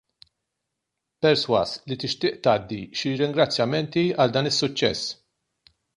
Persważ li tixtieq tgħaddi xi ringrazzjamenti għal dan is-suċċess.